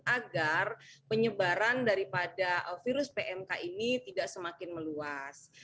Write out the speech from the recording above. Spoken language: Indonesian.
agar penyebaran daripada virus pmk ini tidak semakin meluas